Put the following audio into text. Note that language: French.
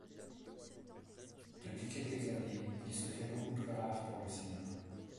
Depuis quelques années, il se fait beaucoup plus rare pour le cinéma.